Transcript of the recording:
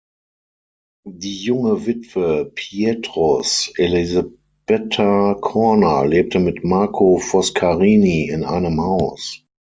Die junge Witwe Pietros, Elisabetta Corner, lebte mit Marco Foscarini in einem Haus.